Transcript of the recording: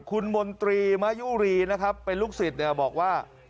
คุณมนตรีมายุรีนะครับเป็นลูกศิษย์เนี่ยบอกว่า